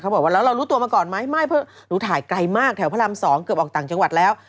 บอกว่าแล้วเรารู้ตัวมาก่อนไหมไม่เพราะหนูถ่ายไกลมากแถวพระราม๒เกือบออกต่างจังหวัดแล้ว